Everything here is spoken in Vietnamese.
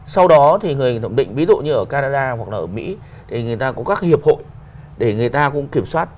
sau đó thì người thẩm định ví dụ như ở canada hoặc là ở mỹ thì người ta có các hiệp hội để người ta cũng kiểm soát